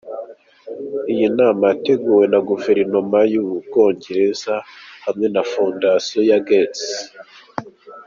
Iyi nama yateguwe na Guverinoma y’u Bwongereza hamwe na Fondtaion ya “Gates”.